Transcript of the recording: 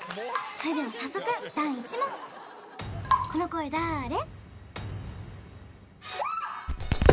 それでは早速第１問この声だーれ？